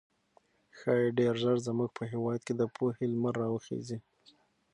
ښايي ډېر ژر زموږ په هېواد کې د پوهې لمر راوخېږي.